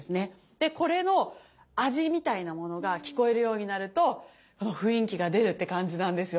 でこれの味みたいなものが聞こえるようになるとあの雰囲気が出るって感じなんですよ。